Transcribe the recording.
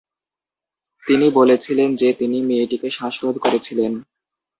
তিনি বলেছিলেন যে তিনি "মেয়েটিকে শ্বাসরোধ করেছিলেন"।